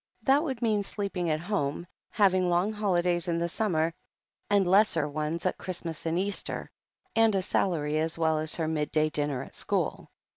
That would mean sleeping at home, having long holidays in the stmimer, and lesser ones at Christmas and Easter, and a salary as well as her midday dinner at school.